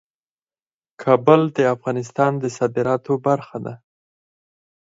کابل د افغانستان د صادراتو برخه ده.